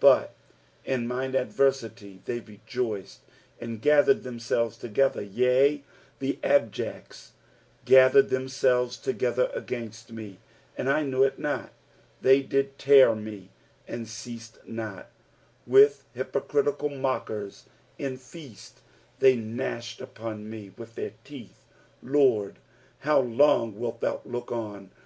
15 But in mine adversity they rejoiced, and gathered themselves together : yea, the abjects gathered themselves together against me, and I knew it not ; they did tear me, and ceased not : 16 With hypocritical mockers in feasts, they gnashed upon tne with their teeth. 17 Lord, how long wilt thou look on